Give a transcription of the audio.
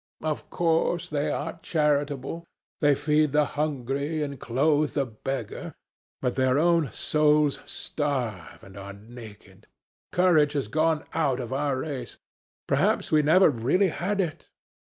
Of course, they are charitable. They feed the hungry and clothe the beggar. But their own souls starve, and are naked. Courage has gone out of our race. Perhaps we never really had it.